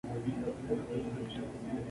Los tres lucharon en Agincourt.